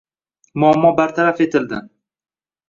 Muammo bartaraf etildi.